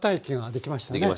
できました。